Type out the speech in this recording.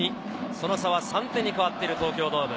その差は３点に変わっている東京ドーム。